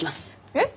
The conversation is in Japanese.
えっ？